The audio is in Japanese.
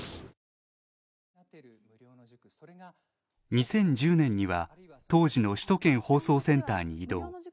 ２０１０年には当時の首都圏放送センターに異動。